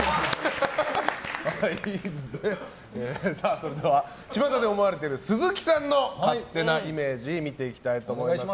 それでは巷で思われている鈴木さんの勝手なイメージ見ていきたいと思います。